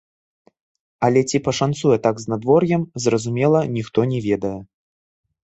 Але ці пашанцуе так з надвор'ем, зразумела, ніхто не ведае.